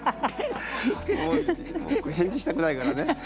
返事したくないからね。